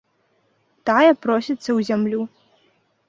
Тая просіцца ў зямлю.